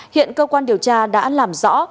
hiện cơ quan điều tra đã làm rõ